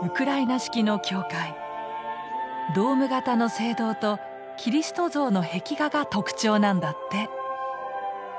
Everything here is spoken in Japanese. ドーム形の聖堂とキリスト像の壁画が特徴なんだって。